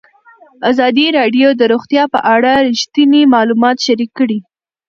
ازادي راډیو د روغتیا په اړه رښتیني معلومات شریک کړي.